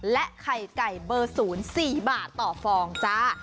และไข่ไก่เบอร์๐๔บาทต่อฟองจ้า